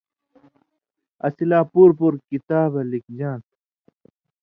اسی لا پُور پُور کِتابہ لِکُژاں تھہ